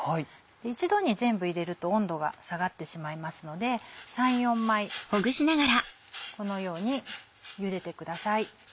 一度に全部入れると温度が下がってしまいますので３４枚このようにゆでてください。